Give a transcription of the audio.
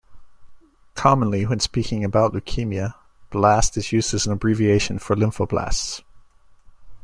Commonly, when speaking about leukemia, "blast" is used as an abbreviation for lymphoblasts.